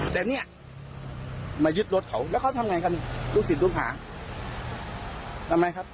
แต่พอมายึดรถเขาแล้วเขาทำยังไงกันรู้สึกรู้หา